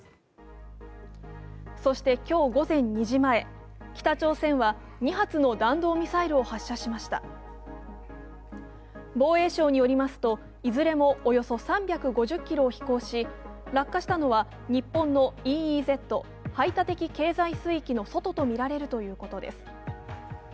そして今日午前２時前、北朝鮮は２発の弾道ミサイルを発射しました防衛省によりますと、いずれもおよそ３５０ｋｍを飛行し落下したのは日本のＥＥＺ＝排他的経済水域の外とみられるということです。